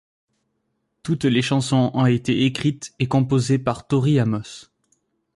Toutes les chansons ont été écrites et composées par Tori Amos.